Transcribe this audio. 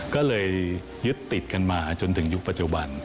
ก็เลยยึดติดกันมาจนถึงยุคปัจจุบัน